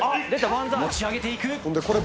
持ち上げて行く。